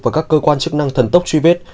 và các cơ quan chức năng thần tốc truy vết